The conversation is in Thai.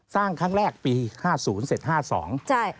สร้างครั้งแรกปี๕๐เสร็จ๕๒ใช่